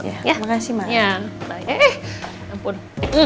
terima kasih mama